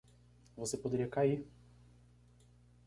Você poderia cair